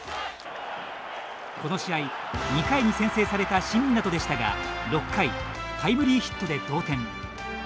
この試合２回に先制された新湊でしたが６回、タイムリーヒットで同点。